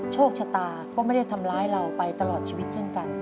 โชคชะตาก็ไม่ได้ทำร้ายเราไปตลอดชีวิตเช่นกัน